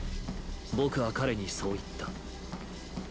「僕」は「彼」にそう言った。